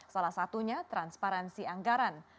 salah satunya transparansi anggaran